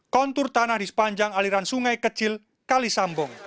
kontur tanah di sepanjang aliran sungai kecil kalisambong